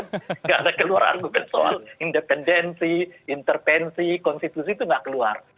nggak ada keluar argumen soal independensi interpensi konstitusi itu nggak keluar